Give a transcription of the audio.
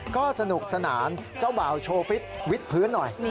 ก็สนุกสนานเจ้าบ่าวโชว์ฟิตวิดพื้นหน่อย